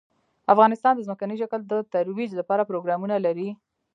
افغانستان د ځمکنی شکل د ترویج لپاره پروګرامونه لري.